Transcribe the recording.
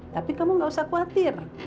tapi kamu gak usah khawatir